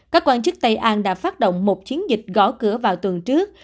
các quan chức tây an đã phát động một chiến dịch gõ cửa vào tuần trước